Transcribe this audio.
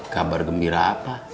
kabar gembira apa